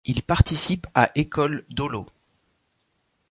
Il participe à École d'Olot.